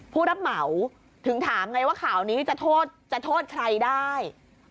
ผู้รับเหมาถึงถามไงว่าข่าวนี้จะโทษใครได้